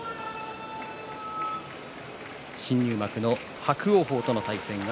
新入幕の伯桜鵬との対戦。